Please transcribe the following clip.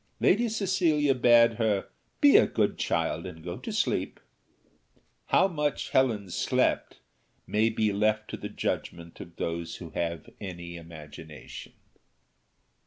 Lady Cecilia bade her "be a good child, and go to sleep." How much Helen slept may be left to the judgment of those who have any imagination.